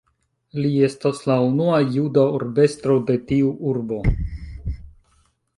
Li estas la unua juda urbestro de tiu urbo.